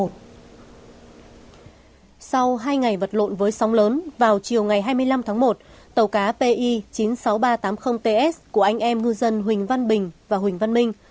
sau hai ngày vật lộn với sóng lớn vào chiều ngày hai mươi năm tháng một tàu cá pi chín mươi sáu nghìn ba trăm tám mươi ts của anh em ngư dân huỳnh văn bình và huỳnh văn minh